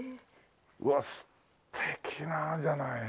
うわっ素敵なじゃない。